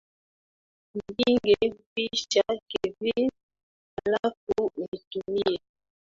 Mpige picha kevin alafu unitumie